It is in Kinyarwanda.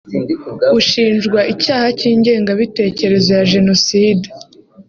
ushinjwa icyaha cy’ingengabitekerezo ya Jenoside